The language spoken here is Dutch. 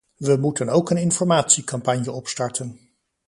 We moeten ook een informatiecampagne opstarten.